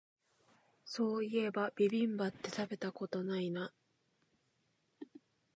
そういえばビビンバって食べたことないな